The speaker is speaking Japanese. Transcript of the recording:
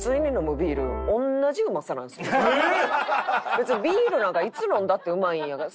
別にビールなんかいつ飲んだってうまいんやから。